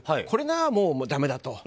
これはもうだめだと。